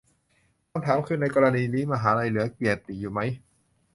คำถามคือ ในกรณีนี้มหาลัยเหลือเกียรติอยู่ไหม ?